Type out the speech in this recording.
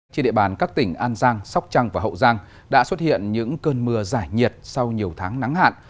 trên địa bàn các tỉnh an giang sóc trăng và hậu giang đã xuất hiện những cơn mưa giải nhiệt sau nhiều tháng nắng hạn